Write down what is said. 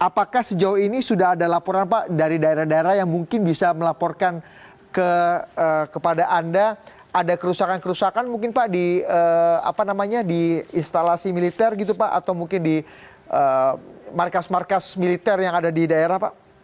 apakah sejauh ini sudah ada laporan pak dari daerah daerah yang mungkin bisa melaporkan kepada anda ada kerusakan kerusakan mungkin pak di instalasi militer gitu pak atau mungkin di markas markas militer yang ada di daerah pak